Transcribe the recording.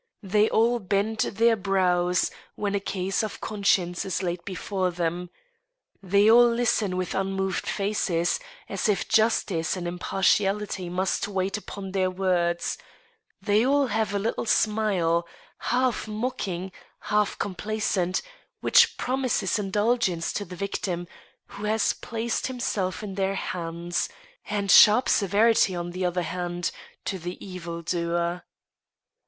They all bend their brows when a case of conscience is laid before them ; they all listen with unmoved faces, as if Justice and Impartiality THE PRODIGAL HUSBAND. 49 must wait upon their words ; they all have a little smile^ half mock ing, half complaisant, which promises indulgence to the victim who has placed himself in their hands, and sharp severity, on the other hand, to the evil doer.